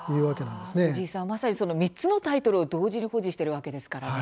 藤井さんはまさにその３つのタイトルを同時に保持しているわけですからね。